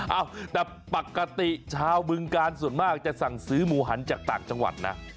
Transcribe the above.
เอ้าแต่ปกติชาวบึงกาลส่วนมากจะสั่งซื้อหมูหันจากต่างจังหวัดนะ